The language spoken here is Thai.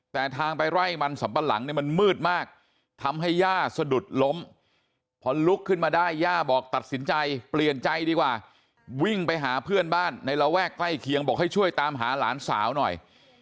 แต่ทางไปไล่มันสัมปะหลังเนี่ยมันมืดมากทำให้ย่าสะดุดล้มพอลุกขึ้นมาได้ย่าบอกตัดสินใจเปลี่ยนใจดีกว่าวิ่งไปหาเพื่อนบ้านในระแวกใกล้เคียงบอกให้ช่วยตามหาหลานสาวหน่อย